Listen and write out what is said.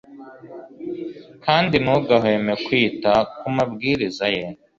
kandi ntugahweme kwita ku mabwiriza ye